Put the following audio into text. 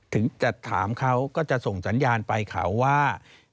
ถึงจะถามเขาก็จะส่งสัญญาณไปเขาว่า